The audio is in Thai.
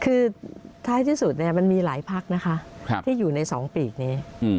คือท้ายที่สุดมันมีหลายพักนะคะที่อยู่ใน๒ปีกนี้